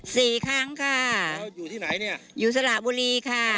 สี่ครั้งค่ะอยู่ที่ไหนเนี่ยอยู่สระบุรีค่ะ